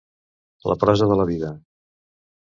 La prosa de la vida.